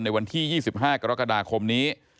ในวันที่๒๕กรกฎาคมนี้